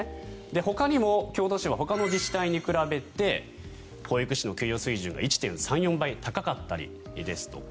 ほかにも京都市はほかの自治体に比べて保育士の給与水準が１．３４倍高かったりですとか